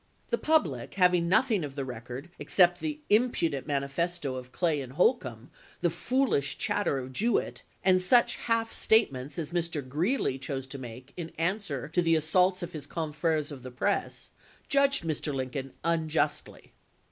The public, having nothing of the record except the impudent manifesto of Clay and Hol combe, the foolish chatter of Jewett, and such half statements as Mr. Greeley chose to make in answer to the assaults of his confreres of the press, judged Mr. Lincoln unjustly.